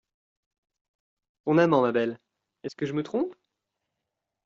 Ton amant, ma belle ; est-ce que je me trompe ?